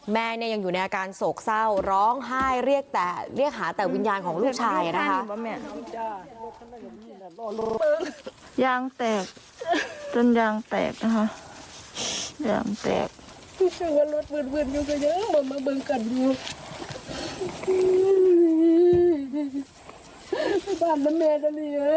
แม่เนี่ยยังอยู่ในอาการโศกเศร้าร้องไห้เรียกหาแต่วิญญาณของลูกชายนะคะ